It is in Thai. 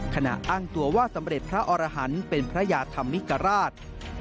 อ้างตัวว่าสำเร็จพระอรหันต์เป็นพระยาธรรมิกราช